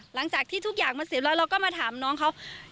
หลังจากที่ทุกอย่างมันเสร็จแล้วเราก็มาถามน้องเขา